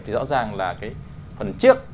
thì rõ ràng là cái phần trước